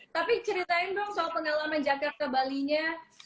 tapi ceritain dong soal pengalaman jakarta bali nya